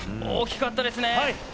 大きかったですね！